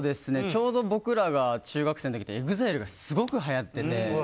ちょうど僕らが中学生の時にＥＸＩＬＥがすごくはやってて。